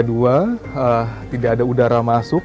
jadi kalau tidak ada udara masuk